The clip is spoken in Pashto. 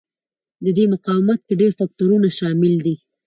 د دې مقاومت کې ډېر فکټورونه شامل دي.